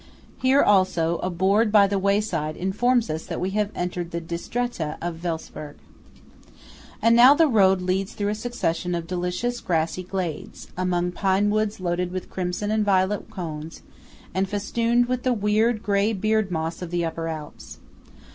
Here, also, a board by the wayside informs us that we have entered the "Distretta" of Welsperg. And now the road leads through a succession of delicious grassy glades, among pine woods loaded with crimson and violet cones, and festooned with the weird grey beard moss of the Upper Alps.